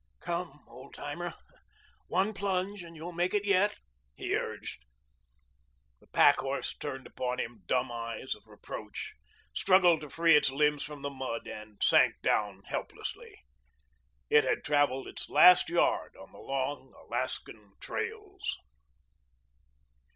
"Come, Old Timer. One plunge, and you'll make it yet," he urged. The pack horse turned upon him dumb eyes of reproach, struggled to free its limbs from the mud, and sank down helplessly. It had traveled its last yard on the long Alaska trails.